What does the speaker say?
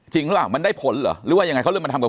จริงแล้วมันได้ผลเหรอหรือว่ายังไงเขาเริ่มมาทำกับ